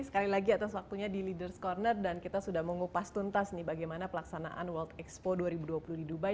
sekali lagi atas waktunya di leaders' corner dan kita sudah mau ngupas tuntas nih bagaimana pelaksanaan world expo dua ribu dua puluh di dubai